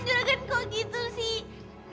juragan kok gitu sih